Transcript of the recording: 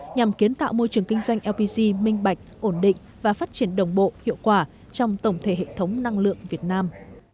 nhằm kiến tạo môi trường kinh doanh lpg minh bạch ổn định và phát triển đồng bộ hiệu quả trong tổng thể hệ thống năng lượng việt nam